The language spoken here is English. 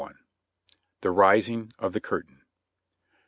THK RISING O? THE CURTAIN.